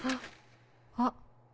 あっ。